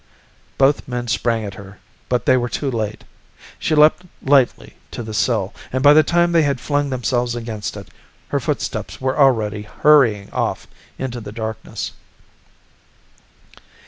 Both men sprang at her, but they were too late. She leaped lightly to the sill, and by the time they had flung themselves against it, her footsteps were already hurrying off into the darkness.